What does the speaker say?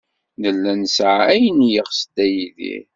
Nella nesɛa ayen ay yeɣs Dda Yidir.